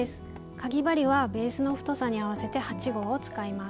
かぎ針はベースの太さに合わせて８／０号を使います。